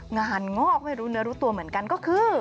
งานงอกไม่รู้เนื้อรู้ตัวเหมือนกันก็คือ